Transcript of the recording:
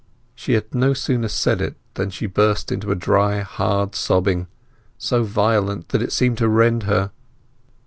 She had no sooner said it than she burst into a dry hard sobbing, so violent that it seemed to rend her.